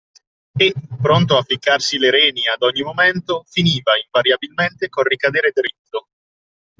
E, pronto a fiaccarsi le reni ad ogni momento, finiva, invariabilmente, col ricadere diritto